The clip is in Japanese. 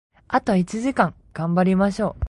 あと一時間、頑張りましょう！